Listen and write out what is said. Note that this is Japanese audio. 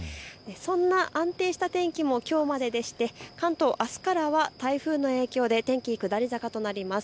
そんな安定した天気はきょうまででして関東あすからは台風の影響で天気は下り坂となります。